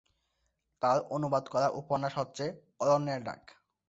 তার অনুবাদ করা উপন্যাস হচ্ছে 'অরণ্যের ডাক'।